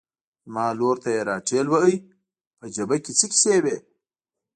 زما لور ته یې را ټېل واهه، په جبهه کې څه کیسې وې؟